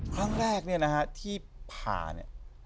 ครั้งแรกที่พาเนี่ย